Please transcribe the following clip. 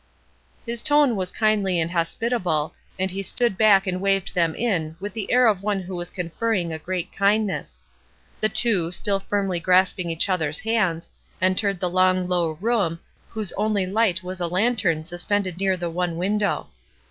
His tone was kindly and hospitable, and he stood back and waved them in with an air of one who was conferring a great kindness. The two, still firmly grasping each other's hands, entered the long low room whose only fight was a lan tern suspended near the one window.